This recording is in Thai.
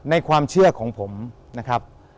ความเชื่อของผมนะครับ